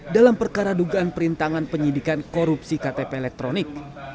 dalam perkara dugaan perintangan penyidikan korupsi ktp elektronik